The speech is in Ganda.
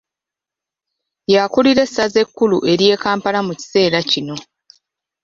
Yakulira essaza ekkulu ery'e Kampala mu kiseera kino.